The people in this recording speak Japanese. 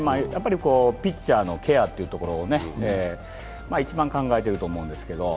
ピッチャーのケアを一番考えてると思うんですけど。